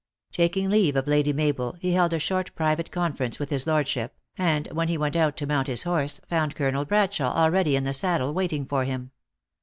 Taking leave of Lady Mabel, he held a short private conference with his lordship, and, when he went out to mount his horse, found Colonel Ifradshawe already in the saddle, waiting for him.